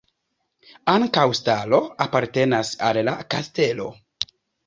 Ankaŭ stalo apartenas al la kastelo.